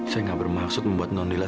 saya gak bermaksud membuat non lila